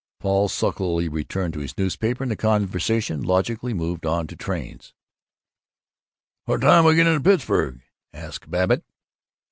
Paul sulkily returned to his newspaper and the conversation logically moved on to trains. "What time do we get into Pittsburg?" asked Babbitt.